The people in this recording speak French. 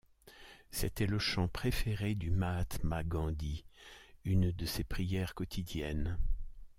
C'était le chant préféré du Mahatma Gandhi, une de ses prières quotidiennes.